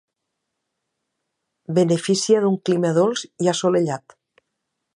Beneficia d'un clima dolç i assolellat.